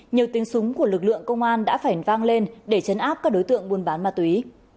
nhiều tiếng súng của lực lượng công an đã phải vang lên để chấn áp các đối tượng buôn bán ma túy